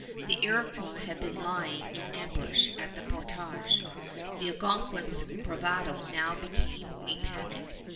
The Iroquois had been lying in ambush at the portage. The Algonquins' bravado now became a panic.